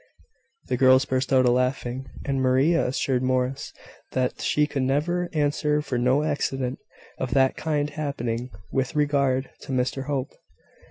The girls burst out a laughing, and Maria assured Morris that she could answer for no accident of that kind happening with regard to Mr Hope.